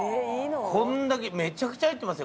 こんだけめちゃくちゃ入ってますよ